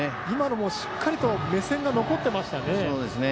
今のもしっかりと目線が残っていましたね。